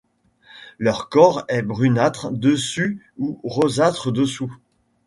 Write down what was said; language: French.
Leur corps est brunâtre dessus et rosâtre dessous.